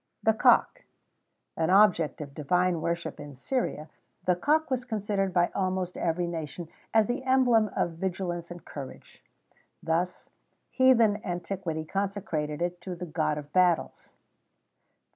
THE COCK. An object of divine worship in Syria,[XVII 5] the cock was considered by almost every nation as the emblem of vigilance and courage.[XVII 6] Thus, heathen antiquity consecrated it to the god of battles.